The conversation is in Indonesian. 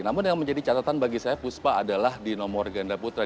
namun yang menjadi catatan bagi saya puspa adalah di nomor ganda putra